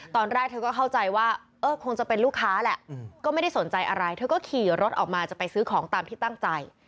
ตอนแรกเธอก็เข้าใจว่าเออคงจะเป็นลูกค้าแหละก็ไม่ได้สนใจอะไรเธอก็ขี่รถออกมาจะไปซื้อของตามที่ตั้งใจ